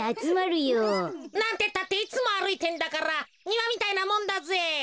なんてったっていつもあるいてんだからにわみたいなもんだぜ。